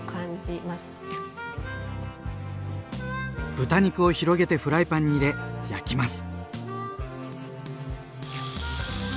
豚肉を広げてフライパンに入れ焼きます。